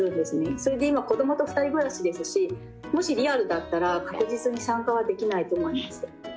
それで今子供と２人暮らしですしもしリアルだったら確実に参加はできないと思います。